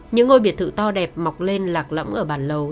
những ngôi biệt thự to đẹp mọc lên lạc lẫm ở bàn lầu